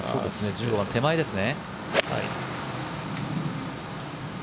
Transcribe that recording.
１５番、手前ですね。